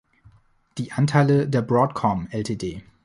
Die Anteile der "Broadcom Ltd.